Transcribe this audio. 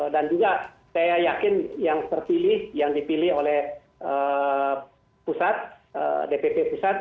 dan juga saya yakin yang terpilih yang dipilih oleh pusat dpp pusat